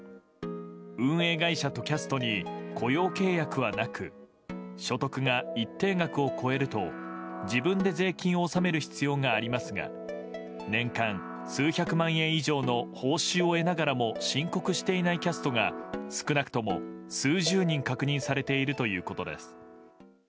運営会社とキャストに雇用契約はなく所得が一定額を超えると自分で税金を納める必要がありますが年間数百万円以上の報酬を得ながらも申告していないキャストが少なくとも数十人確認されているということです。